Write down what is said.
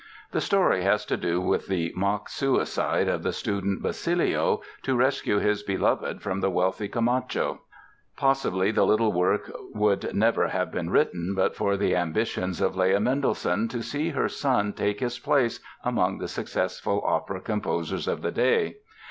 The story has to do with the mock suicide of the student, Basilio, to rescue his beloved from the wealthy Camacho. Possibly the little work would never have been written but for the ambitions of Leah Mendelssohn to see her son take his place among the successful opera composers of the day.